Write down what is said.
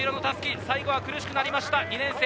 最後は苦しくなりました。